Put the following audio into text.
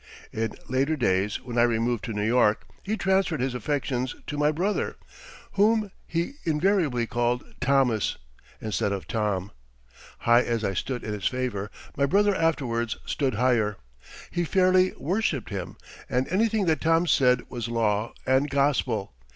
In later days when I removed to New York he transferred his affections to my brother, whom he invariably called Thomas, instead of Tom. High as I stood in his favor, my brother afterwards stood higher. He fairly worshiped him, and anything that Tom said was law and gospel.